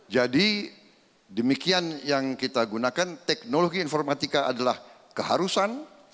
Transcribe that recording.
jadi demikian yang kita gunakan teknologi informatika adalah keharusan